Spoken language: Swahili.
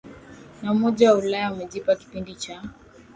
na Umoja wa Ulaya wamejipa kipindi cha